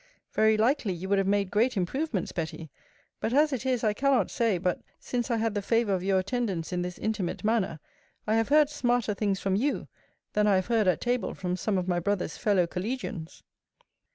Very likely, you would have made great improvements, Betty: but as it is, I cannot say, but since I had the favour of your attendance in this intimate manner, I have heard smarter things from you, than I have heard at table from some of my brother's fellow collegians.